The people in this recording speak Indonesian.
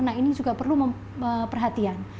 nah ini juga perlu perhatian